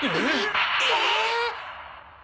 えっ！？